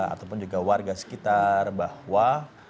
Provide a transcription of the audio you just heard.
ataupun juga warga sekitar bahwa